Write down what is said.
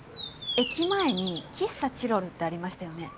駅前に喫茶チロルってありましたよね